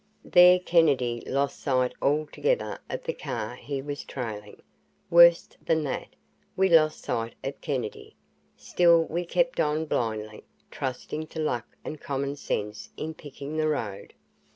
There Kennedy lost sight altogether of the car he was trailing. Worse than that, we lost sight of Kennedy. Still we kept on blindly, trusting to luck and common sense in picking the road.